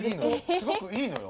すごくいいのよ！